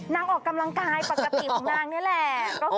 นังออกกำลังกายปกติงของเรานั้นแหละ